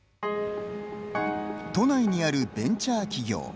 都内にあるベンチャー企業。